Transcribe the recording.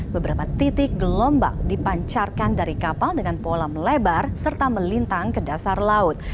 beberapa titik gelombang dipancarkan dari kapal dengan pola melebar serta melintang ke dasar laut